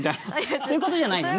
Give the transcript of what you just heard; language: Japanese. そういうことじゃないんだよね？